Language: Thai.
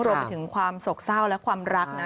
รวมถึงความสกเจ้าและความรักนะ